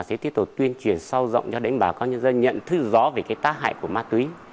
sẽ tiếp tục tuyên truyền sâu rộng cho đánh bảo các nhân dân nhận thức rõ về cái tác hại của ma túy